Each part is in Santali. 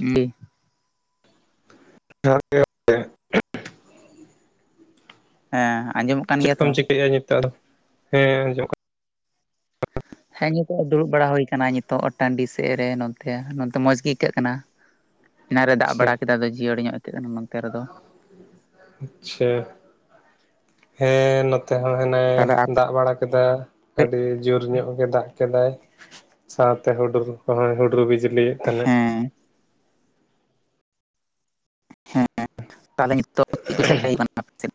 ᱦᱩᱸ ᱡᱚᱦᱟᱨ ᱡᱚᱦᱟᱨ ᱦᱮᱸ ᱟᱸᱡᱚᱢᱚᱜ ᱠᱟᱱ ᱪᱮᱫ ᱜᱮᱭᱟ ᱛᱚ? ᱠᱚᱢ ᱪᱤᱠᱟᱹᱭᱮᱫᱟ ᱱᱤᱛᱚᱜ ᱫᱚ? ᱦᱮᱸ ᱟᱸᱡᱚᱢᱚᱜ ᱠᱟᱱᱟ ᱦᱮᱸ ᱱᱤᱛᱚᱜ ᱫᱩᱲᱩᱵ ᱵᱟᱲᱟ ᱦᱳᱭ ᱟᱠᱟᱱᱟ ᱱᱤᱛᱚᱜ ᱴᱟᱺᱰᱤ ᱥᱮᱫ ᱨᱮ ᱱᱚᱛᱮ ᱱᱚᱛᱮ ᱢᱚᱸᱡᱽ ᱜᱮ ᱟᱹᱭᱠᱟᱹᱜ ᱠᱟᱱᱟ ᱮᱱᱟᱨᱮ ᱫᱟᱜ ᱟᱪᱪᱷᱟ ᱵᱟᱲᱟ ᱠᱮᱫᱟ ᱡᱤᱭᱟᱹᱲ ᱧᱚᱜ ᱟᱹᱭᱠᱟᱹᱜ ᱠᱟᱱᱟ ᱱᱚᱛᱮ ᱨᱮᱫᱚ ᱟᱪᱪᱷᱟ, ᱦᱮᱸ ᱱᱚᱛᱮ ᱦᱚᱸ ᱦᱮᱱᱟ ᱮ ᱛᱟᱦᱚᱞᱮ ᱟᱯᱮ ᱫᱟᱜ ᱵᱟᱲᱟ ᱠᱮᱫᱟ ᱟᱹᱰᱤ ᱡᱳᱨ ᱧᱚᱜ ᱜᱮ ᱫᱟᱜ ᱠᱮᱫᱟᱭ, ᱥᱟᱶᱛᱮ ᱦᱩᱰᱩᱨ ᱠᱚᱦᱚᱭ ᱦᱩᱰᱩᱨ ᱵᱤᱡᱽ ᱞᱤ ᱮᱫ ᱛᱟᱦᱮᱱ ᱦᱮᱸ ᱦᱮᱸ ᱛᱟᱦᱚᱞᱮ ᱱᱤᱛᱚᱜ ᱪᱮᱫ ᱠᱚ ᱪᱤᱠᱟᱹ ᱦᱩᱭᱩᱜ ᱠᱟᱱᱟ ᱟᱯᱮ ᱥᱮᱫ?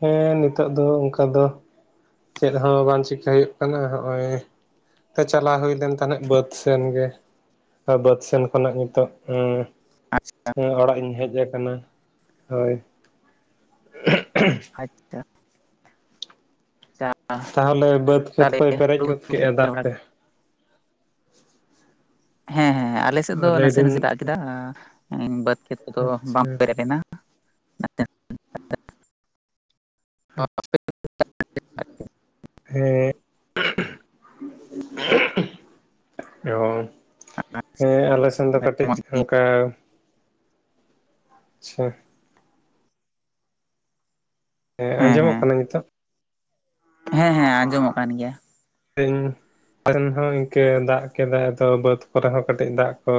ᱦᱮᱸ ᱱᱤᱛᱚᱜ ᱫᱚ ᱚᱱᱠᱟ ᱫᱚ ᱪᱮᱫ ᱦᱚᱸ ᱵᱟᱝ ᱪᱤᱠᱟᱹᱭ ᱦᱩᱭᱩᱜ ᱠᱟᱱᱟ ᱦᱚᱜᱼᱚᱭ ᱛᱮ ᱪᱟᱞᱟᱣ ᱦᱩᱭ ᱞᱮᱱ ᱛᱟᱦᱮᱸᱜ ᱵᱟᱹᱫ ᱥᱮᱱ ᱜᱮ ᱵᱟᱹᱫ ᱥᱮᱱ ᱠᱷᱚᱱᱟᱜ ᱱᱤᱛᱚᱜ ᱟᱪᱪᱷᱟ ᱚᱲᱟᱜ ᱤᱧ ᱦᱮᱡ ᱟᱠᱟᱱᱟ ᱦᱳᱭ ᱟᱪᱪᱷᱟ ᱛᱟᱦᱚᱞᱮ ᱵᱟᱹᱫᱽ ᱠᱷᱮᱛ ᱛᱟᱦᱚᱞᱮ ᱠᱚᱭ ᱯᱮᱨᱮᱡ ᱦᱩᱲᱩ ᱜᱚᱫ ᱮᱨ ᱠᱮᱫᱼᱟ ᱫᱟᱜ ᱵᱟᱲᱟ ᱛᱮ ᱦᱮᱸ ᱦᱮᱸ ᱟᱞᱮᱥᱮᱫ ᱫᱚ ᱱᱟᱥᱮ ᱞᱟᱹᱭᱫᱟᱹᱧ ᱱᱟᱥᱮ ᱫᱟᱜ ᱠᱮᱫᱟ ᱵᱟᱫᱽ ᱠᱷᱮᱛ ᱠᱚᱫᱚ ᱵᱟᱢ ᱟᱪᱪᱷᱟ ᱯᱮᱨᱮᱜ‌ ᱞᱮᱱᱟ [unintelligible] [unintelligible] ᱦᱮᱸ [inaudible] ᱦᱳᱭ ᱦᱮᱸ ᱟᱞᱮ ᱥᱮᱱ ᱫᱚ ᱠᱟᱹᱴᱤᱡ ᱦᱮᱸ ᱚᱱᱠᱟ ᱟᱪᱪᱷᱟ ᱦᱮᱸ ᱟᱸᱡᱚᱢᱚᱜ ᱠᱟᱱᱟ ᱱᱤᱛᱚᱜ ᱦᱮᱸ ᱦᱮᱸ ᱟᱸᱡᱚᱢᱚᱜ ᱠᱟᱱ ᱜᱮᱭᱟ ᱟᱞᱮ ᱥᱮᱱ ᱦᱚᱸ ᱤᱱᱠᱟᱹ ᱫᱟᱜ ᱠᱮᱫᱟ ᱟᱫᱚ ᱵᱟᱹᱫ ᱠᱚᱨᱮ ᱦᱚᱸ ᱠᱟᱹᱴᱤᱡ ᱫᱟᱜ ᱠᱚ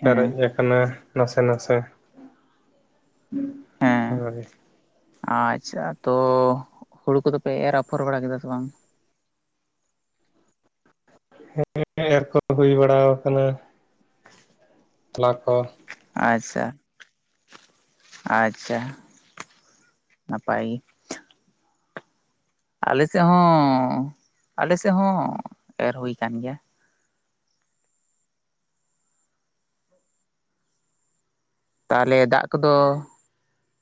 ᱦᱮᱸ ᱯᱮᱨᱮᱡ ᱠᱟᱱᱟ ᱱᱟᱱᱮ ᱱᱟᱥᱮ ᱦᱮᱸ [inaudible] ᱦᱳᱭ ᱟᱪᱪᱷᱟ ᱛᱚ, ᱦᱩᱲᱩ ᱠᱚᱫᱚ ᱯᱮ ᱮᱨ ᱟᱯᱷᱚᱨ ᱵᱟᱲᱟ ᱠᱮᱫᱟ ᱥᱮ ᱵᱟᱝ ᱦᱮᱸ ᱮᱨ ᱠᱚ ᱦᱩᱭ ᱵᱟᱲᱟ ᱟᱠᱟᱱᱟ ᱛᱚᱞᱟ ᱠᱚ ᱟᱪᱪᱷᱟ ᱟᱪᱪᱷᱟ ᱱᱟᱯᱟᱭ ᱜᱮ ᱟᱞᱮ ᱥᱮᱫ ᱦᱚᱸ ᱟᱞᱮ ᱥᱮᱫ ᱦᱚᱸ ᱮᱨ ᱦᱩᱭ ᱠᱟᱱ ᱜᱮᱭᱟ ᱛᱟᱦᱚᱞᱮ ᱫᱟᱜ ᱠᱚᱫᱚ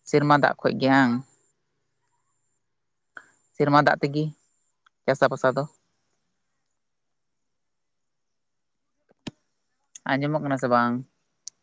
ᱥᱮᱨᱢᱟ ᱫᱟᱜ ᱠᱷᱚᱡ ᱜᱮ ᱦᱟᱝ ᱥᱮᱨᱢᱟ ᱫᱟᱜ ᱛᱮᱜᱤ ᱪᱟᱥᱟᱵᱟᱥᱟ ᱫᱚ ᱟᱸᱡᱚᱢᱚᱜ ᱠᱟᱱᱟ ᱥᱮ ᱵᱟᱝ